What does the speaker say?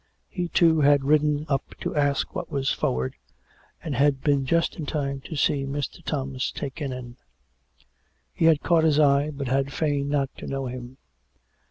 He, too, had ridden up to ask what was forward, and had been just in time to see Mr. Thomas taken in. He had caught his eye, but had feigned not to know him.